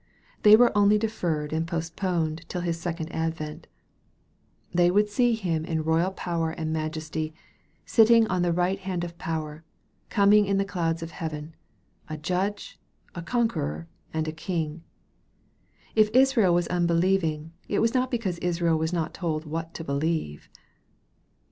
They were only deferred and postponed till His second advent. They would yet see Him in royal power and majesty, " sitting on the right hand of power," coming in the clouds of heaven, a Judge, a Conqueror, and a King. If Israel was unbelieving, it was not because Israel was not told what to believe.